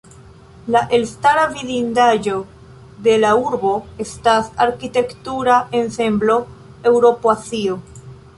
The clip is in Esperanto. La elstara vidindaĵo de la urbo estas arkitektura ensemblo "Eŭropo-Azio".